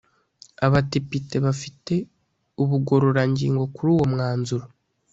abadepite bafite ubugororangingo kuri uwo mwanzuro